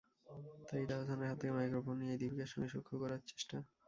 তাই তাহসানের হাত থেকে মাইক্রোফোন নিয়েই দীপিকার সঙ্গে সখ্য গড়ার চেষ্টা।